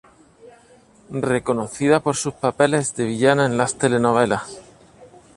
Reconocida por sus papeles de villana en las telenovelas.